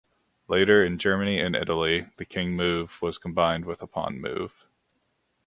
Later in Germany and Italy, the king move was combined with a pawn move.